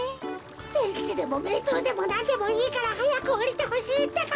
センチでもメートルでもなんでもいいからはやくおりてほしいってか。